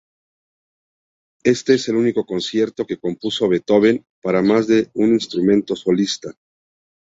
Este es el único concierto que compuso Beethoven para más de un instrumento solista.